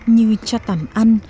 như cho tầm ăn